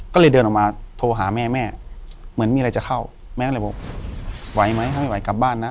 ก็เลยเดินออกมาโทรหาแม่แม่เหมือนมีอะไรจะเข้าแม่ก็เลยบอกไหวไหมถ้าไม่ไหวกลับบ้านนะ